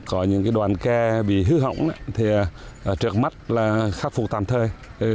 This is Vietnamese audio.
có những cái đoàn ke bị hư hỏng thì trượt mắt là khắc phục tạm thời